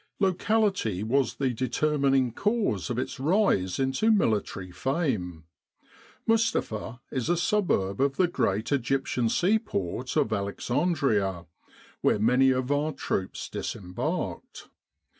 < Locality was the determining cause of its rise into military fame. Mustapha is a suburb of the great Egyptian seaport of Alexandria, where many of our troops disembarked.